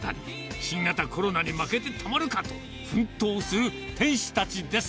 新型コロナに負けてたまるかと奮闘する店主たちです。